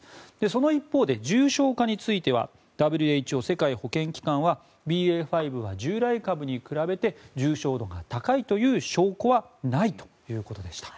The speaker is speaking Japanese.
その一方で重症化についてはＷＨＯ・世界保健機関はＢＡ．５は従来株に比べて重症度が高いという証拠はないということでした。